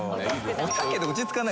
おたけで落ち着かない。